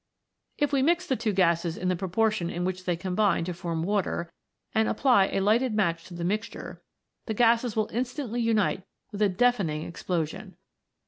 If we mix the two gases in the proportion in which they combine to form water, and apply a lighted match to the mixture, the gases will in stantly unite with a deafening explosion.